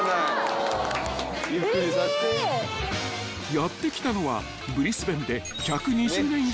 ［やって来たのは］